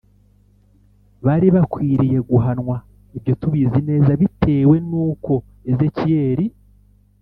Bari bakwiriye guhanwa ibyo tubizi neza bitewe n uko ezekiyeli